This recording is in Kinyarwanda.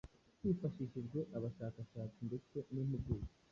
Hifashishijwe abashakashatsi ndetse n’impuguke